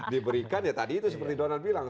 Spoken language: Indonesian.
diberikan ya tadi itu seperti donald bilang